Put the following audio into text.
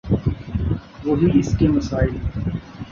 وہی اس کے مسائل۔